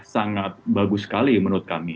sangat bagus sekali menurut kami